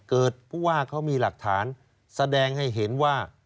ผู้ว่าเขามีหลักฐานแสดงให้เห็นว่า